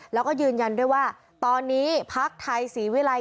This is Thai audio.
แล้วก็ยืนยันด้วยว่าตอนนี้พักไทยศรีวิรัย